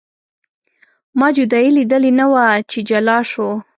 ما جدایي لیدلې نه وه چې جلا شو.